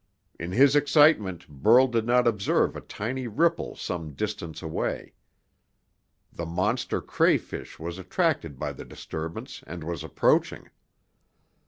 In his excitement Burl did not observe a tiny ripple some distance away. The monster crayfish was attracted by the disturbance, and was approaching.